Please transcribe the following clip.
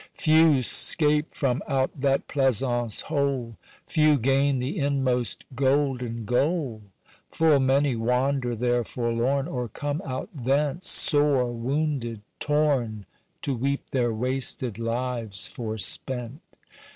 Few 'scape from out that pleasaunce whole, Few gain the inmost golden goal; Full many wander there forlorn, Or come out thence sore wounded, torn, To weep their wasted lives forespent.